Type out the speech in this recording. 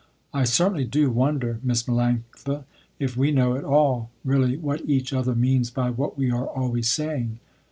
I certainly do wonder, Miss Melanctha, if we know at all really what each other means by what we are always saying."